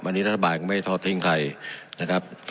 วันนี้รัฐบาลก็ไม่ทอดทิ้งใครนะครับ